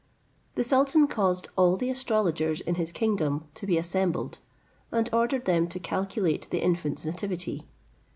The sultan caused all the astrologers in his kingdom to be assembled, and ordered them to calculate the infant's nativity.